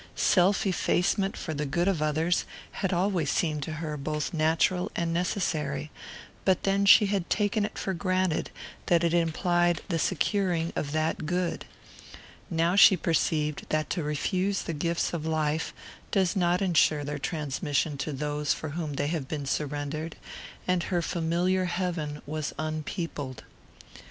Self effacement for the good of others had always seemed to her both natural and necessary; but then she had taken it for granted that it implied the securing of that good. Now she perceived that to refuse the gifts of life does not ensure their transmission to those for whom they have been surrendered; and her familiar heaven was unpeopled.